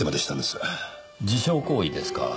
自傷行為ですか。